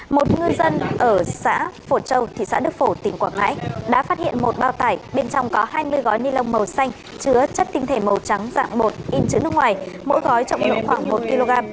một ngư dân ở xã phổ châu thị xã đức phổ tỉnh quảng ngãi đã phát hiện một bao tải bên trong có hai mươi gói ni lông màu xanh chứa chất tinh thể màu trắng dạng một in chữ nước ngoài mỗi gói trọng lượng khoảng một kg